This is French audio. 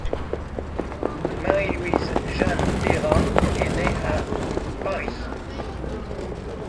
Marie-Louise-Jeanne Peyrat est née le à Paris.